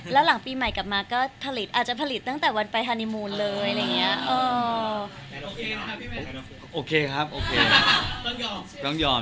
แล้วหลังปีใหม่ก็ผลิตตั้งแต่วันไปฮาร์นีมูน